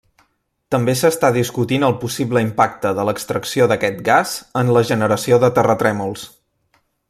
També s'està discutint el possible impacte de l'extracció d'aquest gas en la generació de terratrèmols.